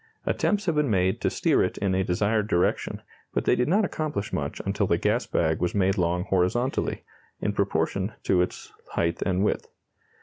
Attempts have been made to steer it in a desired direction, but they did not accomplish much until the gas bag was made long horizontally, in proportion to its height and width.